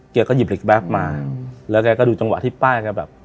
แกก็หยิบเหล็กแป๊บมาแล้วแกก็ดูจังหวะที่ป้าแกแบบ